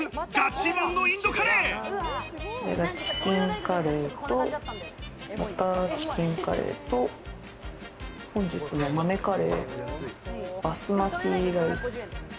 チキンカレーとバターチキンカレーと、本日の豆カレー、バスマティライス。